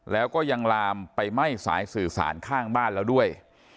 แล้วก็ยังลามไปไหม้สายสื่อสารข้างบ้านแล้วด้วย